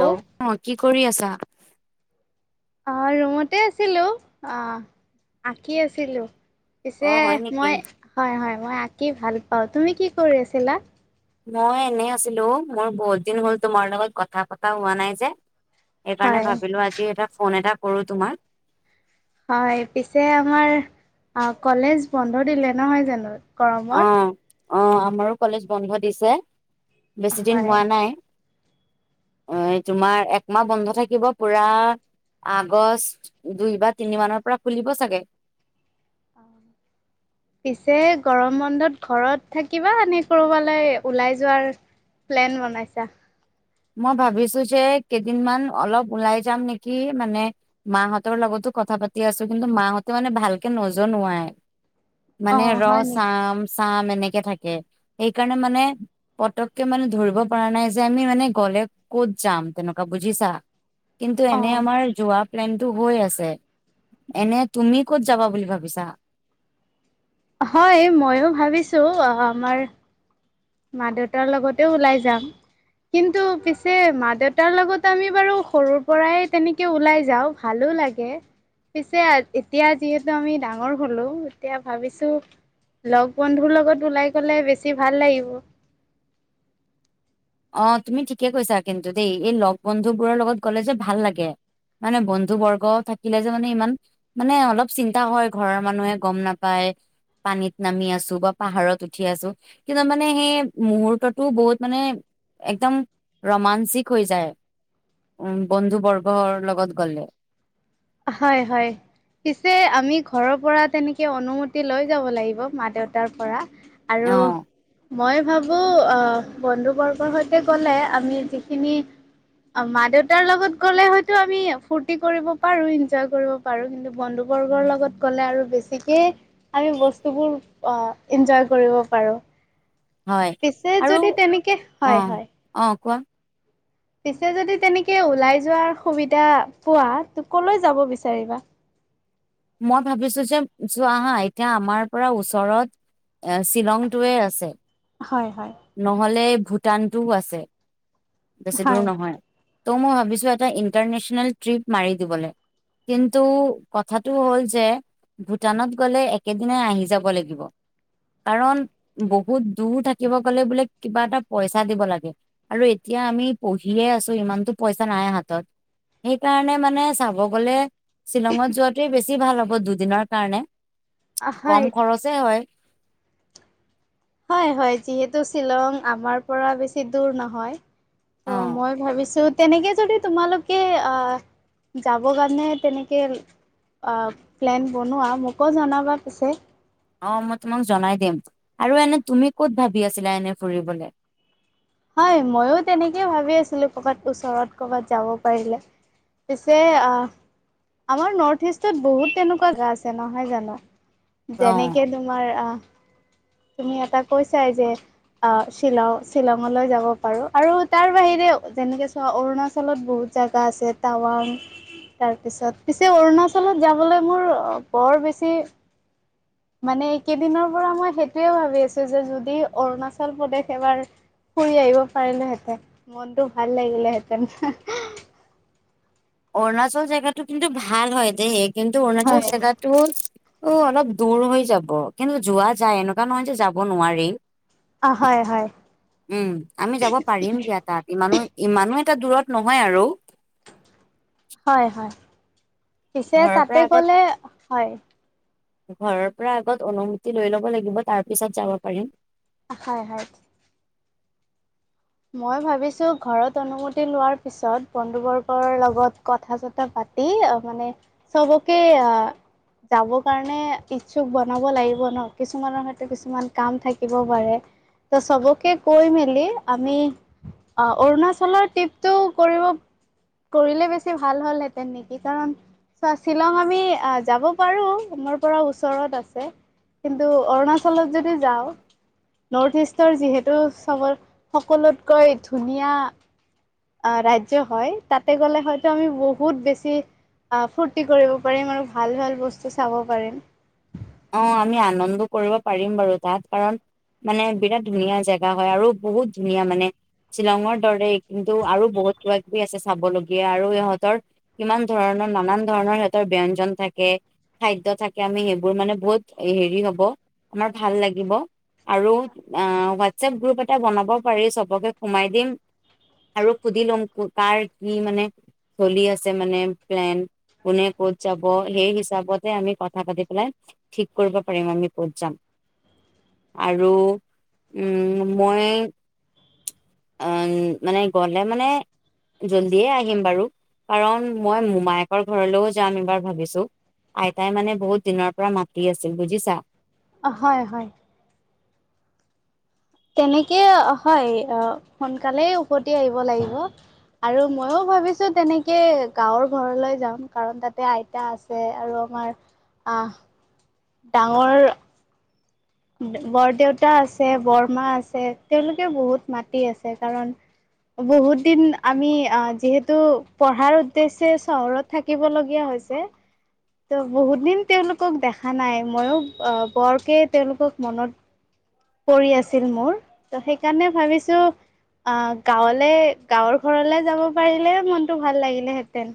অ অ', কি কৰি আছা? আহ ৰুমতে আছিলোঁ, অ', আঁকি আছিলোঁ অ পিছে হয় নেকি? মই হয়, হয়, মই আঁকি ভাল পাওঁ! তুমি কি কৰি আছিলা? মই এনে আছিলোঁ ও মোৰ বহুত দিন হ'ল তোমাৰ লগত কথা পতা হোৱা নাই যে সেইকাৰণে হয় ভাবিলোঁ আজি এটা ফোন এটা কৰো তোমাক হয় পিছে আমাৰ কলেজ বন্ধ দিলে নহয় জানোঁ অ গৰমৰ? অ', আমাৰো কলেজ বন্ধ দিছে বেছি দিন হয় হোৱা নাই এ', তোমাৰ একমাহ বন্ধ থাকিব পুৰা আগষ্ট দুই বা তিনি মানৰ পৰা খুলিব চাগে অ', পিছে গৰম বন্ধত ঘৰত থাকিবা নে কৰবালৈ ওলাই যোৱাৰ প্লেন বনাইছা? মই ভাবিছোঁ যে কেইদিনমান অলপ ওলাই যাম নেকি মানে মাহঁতৰ লগতো কথা পাতি আছোঁ কিন্তু মাহঁতে মানে ভালকে নজনোৱাই অ মানে ৰ হয় নেকি চাম চাম এনেকে এনেকে থাকে, সেইকাৰণে মানে পটককে মানে ধৰিব পৰা নাই যে আমি মানে ক'লে ক'ত যাম তেনেকুৱা বুজিছা, কিন্তু অ এনে আমাৰ যোৱা প্লেনটো হৈ আছে, এনে তুমি ক'ত যাবা বুলি ভাবিছা? হয়', ময়ো ভাবিছোঁ অ', ‌আমাৰ মা দেউতাৰ লগতেও ওলাই যাম কিন্তু পিছে মা দেউতাৰ লগত আমি বাৰু সৰুৰ পৰাই তেনেকে ওলাই যাওঁ ভালো লাগে পিছে এতিয়া যিহেতু আমি ডাঙৰ হলোঁ এতিয়া ভাবিছোঁ লগ বন্ধুৰ লগত ওলাই গ'লে বেছি ভাল লাগিব অ', তুমি ঠিকে কৈছা কিন্তু দেই এই লগ বন্ধুবোৰৰ লগত গ'লে যে ভাল লাগে মানে বন্ধু বৰ্গ থাকিলে যে মানে ইমান মানে অলপ চিন্তা হয় ঘৰৰ মানুহে গম নাপায় পানীত নামি আছোঁ বা পাহাৰত উঠি আছোঁ কিন্তু মানে সেই মুহূৰ্ততো বহুত মানে একদম ৰোমাঞ্চিক হৈ যায় উম', বন্ধু বৰ্গৰ লগত গ'লে হয়', হয়', পিছে আমি ঘৰৰ পৰা তেনেকে অনুমতি লৈ যাব লাগিব মা দেউতাৰ পৰা আৰু অ মই ভাবোঁ অ', বন্ধুবৰ্গৰ সৈতে গ'লে আমি যিখিনি অ মা দেউতাৰ লগত গ'লে হয়তো আমি ফূৰ্তি কৰিব পাৰো। ইনজয় কৰিব পাৰোঁ কিন্তু বন্ধুবৰ্গৰ লগত গ'লে আৰু বেছিকে আমি বস্তুবোৰ অ ইনজয় কৰিব পাৰো। হয়। পিছে আৰু যদি তেনেকে অ হয় হয়। অ কোৱা পিছে যদি তেনেকে ওলাই যোৱাৰ সুবিধা পোৱা ত কলৈ যাব বিচাৰিবা? মই ভাবিছো যে চোৱা হা এতিয়া আমাৰ পৰা ওচৰত এ শ্বিলংটোৱে আছে। হয় হয় নহলে ভূটানটোও আছে। বেছি দূৰ হয় নহয়। তৌ মই ভাবিছো এটা ইণ্টাৰনেশ্যনেল ট্ৰিপ মাৰি দিবলে। কিন্তু কথাটো হ'ল যে ভূটানত গ'লে একেদিনাই আহি যাব লাগিব। কাৰণ বহুত দূৰ থাকিব। কলে বোলে কিবা এটা পইচা দিব লাগে আৰু এতিয়া আমি পঢ়িয়ে আছো ইমানতো পইচা নাই হাত ত। সেইকাৰণে মানে চাব গলে শ্বিলঙত যোৱাটোৱে বেছি ভাল হ'ব দুদিনৰ কাৰণে কম হয় খৰচে হয়। হয় হয় যিহেতু শ্বিলং আমাৰ পৰা বেছি দূৰ নহয়। অ ত মই ভাবিছো তেনেকে যদি তোমালোকে আহ যাব কাৰণে তেনেকে আহ প্লেন বনোৱা মোকো জনাবা পিছে। অ মই তোমাক জনাই দিম আৰু এনে তুমি কত ভাবি আছিলা এনে ফুৰিবলে? হয় ময়ো তেনেকেই ভাবি আছিলো কৰ'বাত ওচৰত কৰ'বাত যাব পাৰিলে। পিছে আহ। আমাৰ নৰ্থ ইষ্টত বহুত তেনেকুৱা গা আছে নহয় জানো। অ যেনেকে তোমাৰ আহ তুমি এটা কৈছাই যে অ শ্বিলং শ্বিলঙলৈ যাব পাৰো আৰু তাৰ বাহিৰেও যেনেকে চোৱা অৰুণাচলত বহুত জাগা আছে টাৱাং। তাৰপিছত পিছে অৰুণাচলত যাবলৈ মোৰ বৰ বেছি মানে এইকেইদিনৰ পৰা মই সেইটোৱে ভাবি আছো যে যদি অৰুণাচল প্ৰদেশ এবাৰ ফুৰি আহিব পাৰিলেহেঁতেন মনতটো ভাল লাগিলেহেঁতেন। [inaudible] অৰুণাচল জেগাটো কিন্তু ভাল হয় দে কিন্তু অৰুণাচল হয় জেগাটো ও অলপ দূৰ হৈ যাব কিন্তু যোৱা যায় এনেকুৱা নহয় যে যাব নোৱাৰি। অ হয় হয় উম আমি যাব পাৰিম সিয়া তাত ইমানো ইমানো এটা দূৰত নহয় আৰু। হয় হয়। পিছে ঘৰৰ তাতে পৰা আগত গলে হয়। ঘৰৰ পৰা আগত অনুমতি লৈ ল'ব লাগিব তাৰ পিছত যাব পাৰিম। হয় হয়। মই ভাবিছো ঘৰত অনুমতি লোৱাৰ পিছত বন্ধুবৰ্গৰ লগত কথা চথা পাত তি মানে চবকে আহ যাবৰ কাৰণে ইচ্ছুক বনাব লাগিব ন। কিছুমানৰ হয়তো কিছুমান কাম থাকিব পাৰে। ত চবকে কৈ মেলি আমি অ অৰুণাচলৰ ট্ৰিপটো কৰিব কৰিলে বেছি ভাল হ'লহেঁতেন নেকি কাৰণ চা শ্বিলং আমি যাব পাৰো মোৰ পৰা ওচৰত আছে। কিন্তু অৰুণাচলত যদি যাও নৰ্থ ইষ্টৰ যিহেতু চবৰ সকলোতকৈ ধুনীয়া অহ ৰাজ্য হয় তাতে গলে হয়তো আমি বহুত বেছি অহ ফূৰ্তি কৰিব পাৰিম আৰু ভাল ভাল বস্তু চাব পাৰিম। অ আমি আনন্দ কৰিব পাৰিম বাৰু তাত কাৰণ মানে বিৰাট ধুনীয়া জেগা হয় আৰু বহুত ধুনীয়া মানে। শ্বিলঙৰ দৰে কিন্তু আৰু বহুত কিবা কিবি আছে চাবলগীয়া আৰু ইহঁতৰ কিমান ধৰণৰ নান ধৰণৰ সিহঁতৰ ব্যঞ্জন থাকে খাদ্য থাকে আমি সেইবোৰ মানে বহুত হেৰি হব আমাৰ ভাল লাগিব আৰু হোৱাটছএপ গ্ৰুপ এটা বনাব পাৰি চবকে সোমাই দিম আৰু সুধি লম কাৰ কি মানে চলি আছে মানে প্লেন কোনে ক'ত যাব সেই হিচাপতে আমি কথা পাতি পেলাই ঠিক কৰিব পাৰিম আমি ক'ত যাম আৰু উম মই উম মানে গলে মানে জল্ডিয়ে আহিম বাৰু কাৰণ মই মোমায়েকৰ ঘৰলৈও যাম এবাৰ ভাবিছো আইতাই মানে বহুত দিনৰ পৰা মাতি আছিল বুজিছা হয় হয় তেনেকে হয় অহ সোনকালেই উভতি আহিব লাগিব আৰু ময়ো ভাবিছো তেনেকে গাঁৱৰ ঘৰলৈ যাম কাৰণ তাতে আইতা আছে আৰু তোমাৰ আ ডাঙৰ বৰদেউতা আছে বৰমা আছে তেওঁলোকে বহুত মাতি আছে কাৰণ বহুত দিন আমি যিহেতু পঢ়াৰ উদ্দেশ্যে চহৰত থাকিব লগীয়া হয় হৈছে ত বহুত দিন তেওঁলোকক দেখা নাই ময়ো আহ বৰকে তেওঁলোকক মনত পৰি আছিল মোৰ ত সেইকাৰণে ভাবিছো আহ গাঁৱলে গাঁৱৰ ঘৰলে যাব পাৰিলে মনটো ভাল লাগিলেহেঁতেন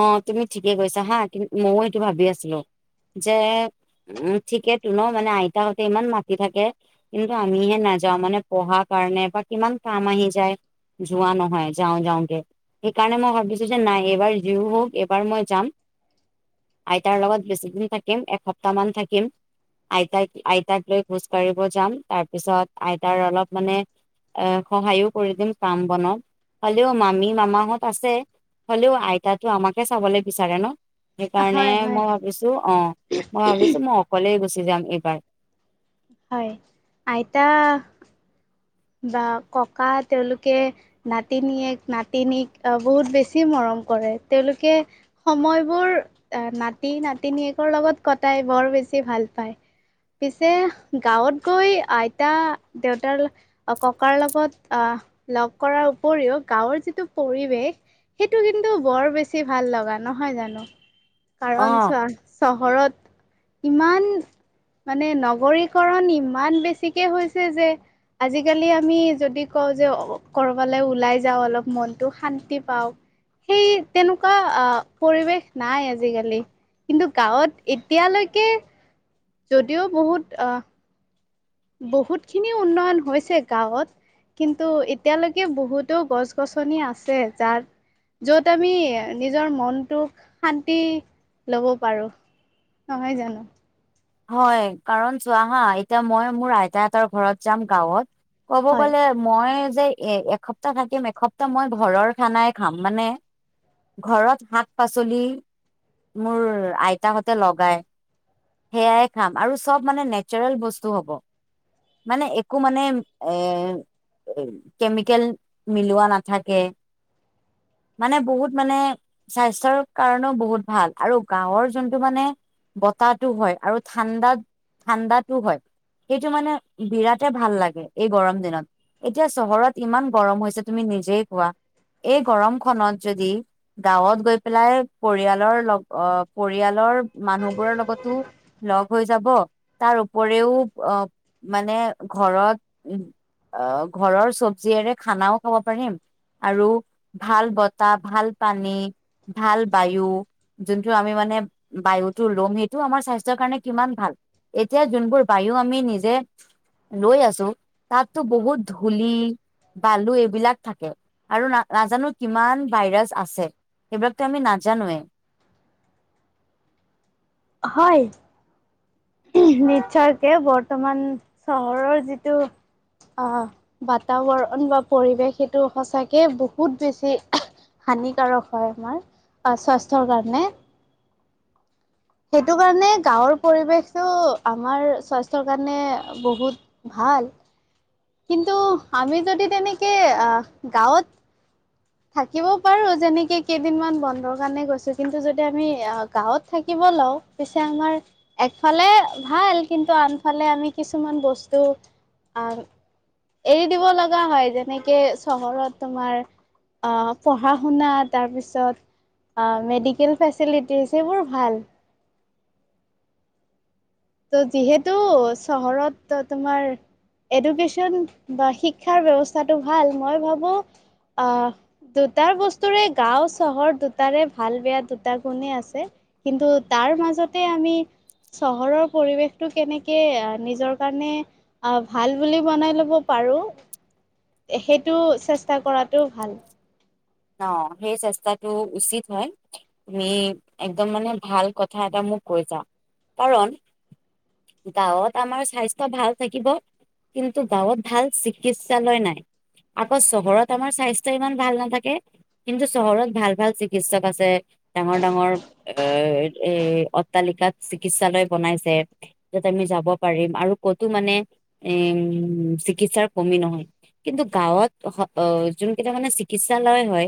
অ তুমি ঠিকেই কৈছা হা মইও এইটো ভাবি আছিলো যে উম ঠিকেইতো ন মানে আইতাহতে ইমান মাতি থাকে কিন্তু আমিহে নাযাওঁ মানে পঢ়া কাৰণে বা কিমান কাম আহি যায় যোৱা নহয় যাও যাওকে সেইকাৰণে মই ভাবিছো যে নাই এবাৰ যিও হওক এবাৰ মই যাম আইতাৰ লগত বেছিদিন থাকিম এসপ্তাহ মান থাকিম আইতাক আইতাক লৈ খোজ কঢ়িব যাম তাৰপিছত আইতাৰ অলপ মানে এ সহায়ো কৰি দিম কাম বনত হলেও মামী মামাহত আছে হলেও আইতাতো আমাকে চাবলৈ বিচাৰে ন সেইকাৰণে হয় হয়। মই ভাবিছো অ মই ভাবিছো মই অকলেই গুচি যাম এইবাৰ হয় আইতা বা ককা তেওঁলোকে নাতিনীয়েক নাতিনীক বহুত বেছি মৰম কৰে তেওঁলোকে সময়বোৰ নাতি নাতিনীয়েকৰ লগত কটাই বৰ বেছি ভাল পায়। পিছে গাঁৱত গৈ আইতা দেউতাৰ ককাৰ লগত আহ লগ কৰাৰ উপৰিও গাঁৱৰ যিটো পৰিৱেশ সেইটো কিন্তু বৰ বেছি ভাল লগা নহয় জানো অ কাৰণ চোৱা চ হৰত ইমান মানে নগৰীকৰণ ইমান বেছিকে হৈছে যে আজি কালি আমি যদি কওঁ যে কৰবালৈ ওলাই যাওঁ অলপ মনটো শান্তি পাও সেই তেনেকোৱা আহ পৰিৱেশ নাই আজিকালি কিন্তু গাঁৱত এতিয়ালৈকে যদিও বহুত অহ বহুত খিনি উন্নয়ন হৈছে গাঁৱত কিন্তু এতিয়ালৈকে বহুতো গছ গছনি আছে যাৰ। যত আমি নিজৰ মনটোক শান্তি লব পাৰো নহয় জানো। হয় কাৰণ চোৱা হা এতিয়া মই মোৰ আইতা হেতৰ ঘৰত যাম গাঁৱত ক'ব হয় গলে মই যে এ এসপ্তাহ থাকিম এসপ্তাহ মই ঘৰৰ খানাই খাম মানে। ঘৰত শাক পাচলি। মোৰ আইতাহঁতে লগাই। সেয়াই খাম আৰু চব মানে নেচাৰেল বস্তু হ'ব। মানে একো মানে এ। কেমিকেল মিলোৱা নাথাকে মানে বহুত মানে স্বাস্থ্যৰ কাৰণেও বহুত ভাল আৰু গাঁৱৰ যোনটো মানে। বতাহো হয় আৰু ঠাণ্ডাত ঠাণ্ডাতো হয় সেইটো মানে বিৰাটে ভাল লাগে এই গৰম দিনত এতিয়া চহৰত ইমান গৰম হৈছে তুমি নিজেই খোৱা। এই গৰম খনত যদি গাঁৱত গৈ পেলাই পৰিয়ালৰ লগ পৰিয়ালৰ মানুহ বোৰৰ লগতো। লগ হৈ যাব তাৰ উপৰেও আহ মানে ঘৰত অ ঘৰৰ চব্জিৰে খানাও খাব পাৰিম। আৰু ভাল বতাহ ভাল পানী। ভাল বায়ু যোনটো আমি মানে বায়ুতটো লম সেইটো আমাৰ স্বাস্থ্ স্বাসৰ কাৰণে কিমান ভাল এতিয়া যোনবোৰ বায়ু আমি নিজে। লৈ আছো তাততো বহুত ধূলি বালু এইবিলাক থাকে আৰু ন নাজানো কিমান ভাইৰাছ আছে। এইবিলাকতো আমি নাজানোয়ে। হয়। নিশ্চয়কে বৰ্তমান চহৰৰ যিটো। অ বাতাবৰণ বা পৰিৱেশ সেইটো সঁচাকে বহুত বেছি। হানিকাৰক হয় আমাৰ আহ স্বাস্থ্যৰ কাৰণে। সেইটো কাৰণে গাঁৱৰ পৰিৱেশতটো আমাৰ স্বাস্থ্যৰ কাৰণে বহুত ভাল। ভ কিন্তু আমি যদি তেনেকৈ গাঁৱত। থাকিব পাৰো যেনেকে কেইদিন মমান বন্ধৰ কাৰণে গৈছো কিন্তু যদি আমি অ গাঁৱত থাকিব। লও পিছে আমাৰ একফালে ভাল কিন্তু আনফালে আমি কিছুমান বস্তু। আহ এৰি দিব লগা হয় যেনেকে চহৰত তোমাৰ। অ পঢ়া শুনা তাৰপিছত। অ মেডিকেল ফেচিটি সেইবোৰ ভাল ত' যিহেতু চহৰত তোমাৰ। এডুকেশ্যন বা শিক্ষাৰ ব্য্ৱস্থাটো ভাল মই ভাবো আহ। দুটটা বস্তুৰে গাও চহৰ দুটাৰে ভাল বেয়া দুটা গুণেই আছে কিন্তু ত তাৰ মাজতে আমি চহৰৰ। পৰিৱেশটো কেনেকে নিজৰ কাৰণে আহ ভাল বুলি বনাই লব পাৰো। সেইটো চেষ্টা কৰাটো ভাল। অ সেই চেষ্টাটো উচিত হয় তুমি একদম মানে ভাল কথা এটা মোক কৈ যা কাৰণ গাঁৱত আমাৰ স্বাস্থ্য ভাল থাকিব। কিন্তু গাঁৱত ভাল চিকিৎসালয় নাই। আকৌ চহৰত আমাৰ স্বাস্থ্য ইমান ভাল নাথাকে। কিন্তু চহৰত ভাল ভাল চিকিৎসক আছে ডাঙৰ ডাঙৰ এ এ অট্টালিকাত চিকিৎসালয় বনাইছে তাত আমি যাব পাৰিম আৰু ক'তো মানে উম উ চিকিৎসাৰ কমি নহয় কিন্তু গাঁৱত যোন কেইটা মানে চিকিৎসালয়। হয়,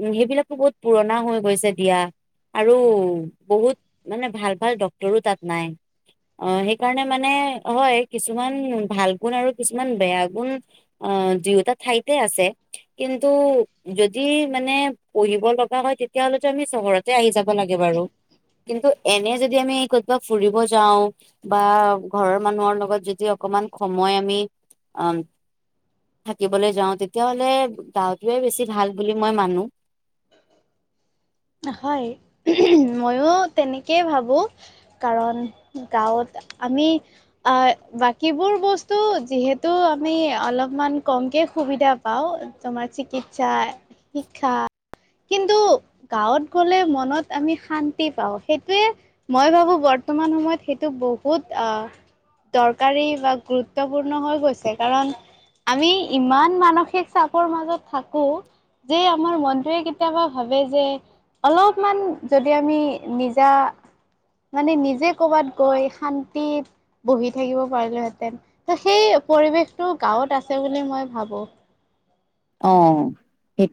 উম সেইবিলাকতো বহুত পুৰণা হৈ গৈছে দিয়া। আৰু বহুত মানে ভাল-ভাল ডাক্তৰো তাত নাই। অ, সেইকাৰণে মানে, হয় কিছুমান ভাল গুণ আৰু কিছুমান বেয়া গুণ। অ দুয়োটা ঠাইতে আছে কিন্তু যদি মানে পঢ়িব লগা হয়, তেতিয়াহলেতো আমি চহৰতে আহি যাব লাগে বাৰু। কিন্তু এনে যদি আমি কৰ'বাত ফুৰিব যাওঁ বা ঘৰৰ মানুহৰ লগত যদি অ অকমান সময় আমি অ থাকিবলৈ যাওঁ, তেতিয়া হ'লে গাওঁতোয়ে বেছি ভাল বুলি মই মানো। হয়, মইয়ো তেনেকেই ভাবো কাৰণ গাঁৱত আমি, অ, বাকীবোৰ বস্তু যিহেতু আমি অলপমান কমকে সুবিধা পাও, তোমাৰ চিকিৎসা, শিক্ষা কিন্তু গাঁৱত গ'লে মনত আমি শান্তি পাওঁ। সেইটোয়ে, মই ভাবো বৰ্তমান সময়ত সেইটো ব বহুত আ, দৰকাৰী বা গুৰুত্বপূৰ্ণ হৈ গৈছে। কাৰণ আমি ইমান মানসিক চাপৰ মাজত থাকো। যে আমাৰ মনটোয়ে কেতিয়াবা ভাবে যে, অলপমান যদি আমি নিজা। মানে নিজে কৰ'বাত গৈ শান্তিত বহি থাকিব পাৰিলোহেঁতেন। পৰিৱেশটো গাঁৱত আছে বুলি মই ভাবো। অ, সেইটো।